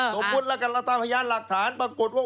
สมมุติแล้วกันเราตามพยานหลักฐานปรากฏว่า